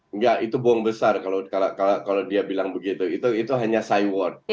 enggak itu bohong besar kalau dia bilang begitu itu hanya side war